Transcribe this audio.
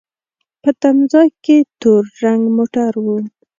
په تم ځای کې تور رنګ موټر و.